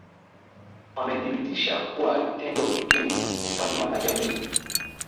Wamethibitisha kuwa vitendo vingine hufanywa na jamii